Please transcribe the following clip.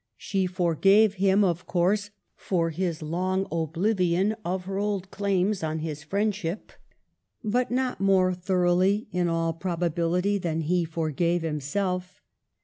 She forgave him, of course, for his long oblivion of her old claims on his friendship ; but not more thoroughly, in all probability, than he forgave himself.